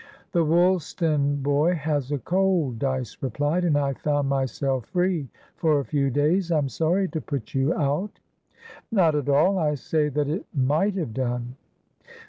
"The Woolstan boy has a cold," Dyce replied, "and I found myself free for a few days. I'm sorry to put you out." "Not at all. I say that it might have done."